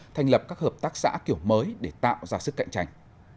thành lập các hợp tác xã kiểu mới để tạo ra sức cạnh tranh